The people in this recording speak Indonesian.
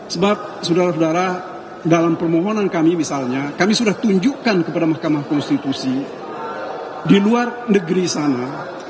sebab saudara saudara dalam permohonan kami misalnya kami sudah tunjukkan kepada mahkamah konstitusi di luar negeri sana